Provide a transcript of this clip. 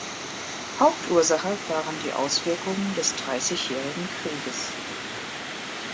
Hauptursache waren die Auswirkungen des Dreißigjährigen Krieges.